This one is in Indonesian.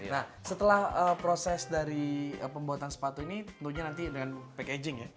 nah setelah proses dari pembuatan sepatu ini tentunya nanti dengan packaging ya